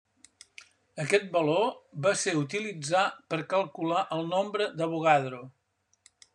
Aquest valor va ser utilitzar per calcular el nombre d'Avogadro.